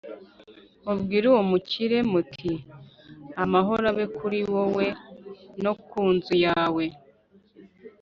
Mubwire uwo mukire muti ‘Amahoro abe kuri wowe no ku nzu yawe’